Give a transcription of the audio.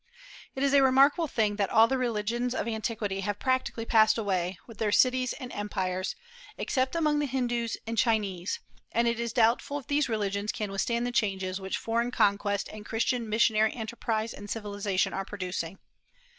It is a remarkable thing that all the religions of antiquity have practically passed away, with their cities and empires, except among the Hindus and Chinese; and it is doubtful if these religions can withstand the changes which foreign conquest and Christian missionary enterprise and civilization are producing.